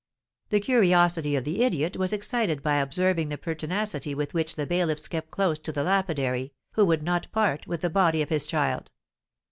The curiosity of the idiot was excited by observing the pertinacity with which the bailiffs kept close to the lapidary, who would not part with the body of his child.